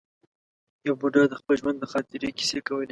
یو بوډا د خپل ژوند د خاطرې کیسې کولې.